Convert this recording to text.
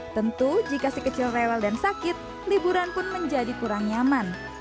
tentu jika si kecil rewel dan sakit liburan pun menjadi kurang nyaman